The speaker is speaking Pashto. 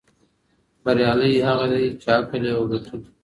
بریالی هغه دی چې عقل یې وګټي.